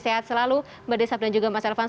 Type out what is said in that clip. sehat selalu mbak desaf dan juga mas elvan